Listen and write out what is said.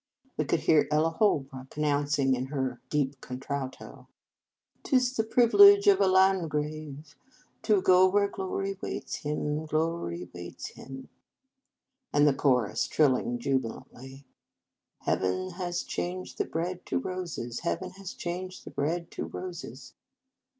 We could hear Ella Holrook announ cing in her deep contralto, 95 In Our Convent Days 44 *T is the privilege of a Landgrave To go where glory waits him, Glory waits him ;" and the chorus trilling jubilantly, 44 Heaven has changed the bread to roses, Heaven has changed the bread to roses."